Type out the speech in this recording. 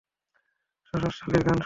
শশশ চার্লির গান শুনো।